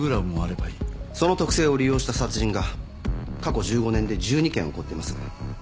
その特性を利用した殺人が過去１５年で１２件起こっています。